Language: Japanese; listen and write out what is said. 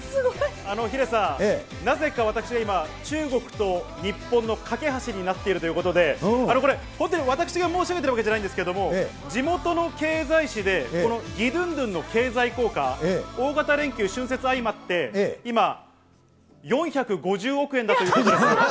ヒデさん、なぜか私は今、中国と日本の懸け橋になっているということで、あのこれ、本当に私が申し上げてるわけじゃないんですけど、地元の経済紙で、この義ドゥンドゥンの経済効果、大型連休、春節相まって今、４５０億円だということです。